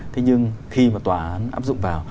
thế nhưng khi mà tòa án áp dụng vào